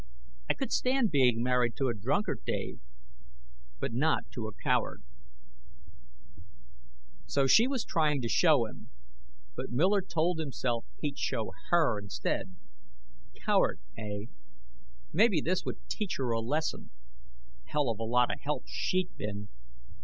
I could stand being married to a drunkard, Dave, but not to a coward ..." So she was trying to show him. But Miller told himself he'd show her instead. Coward, eh? Maybe this would teach her a lesson! Hell of a lot of help she'd been!